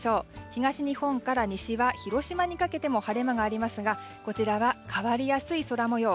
東日本から西は広島にかけても晴れ間がありますがこちらは変わりやすい空模様。